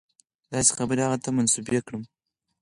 داسې خبرې هغه ته منسوبې کړم.